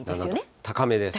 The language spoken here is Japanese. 高めです。